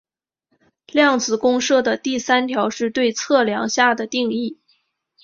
量子公设的第三条是对测量下的定义。